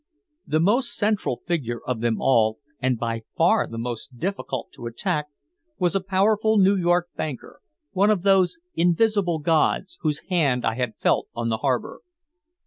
The most central figure of them all, and by far the most difficult to attack, was a powerful New York banker, one of those invisible gods whose hand I had felt on the harbor.